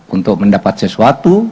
untuk mendapat sesuatu